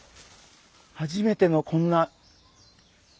初めてのこんな。